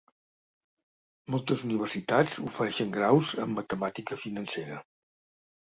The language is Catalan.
Moltes universitats ofereixen graus en matemàtica financera.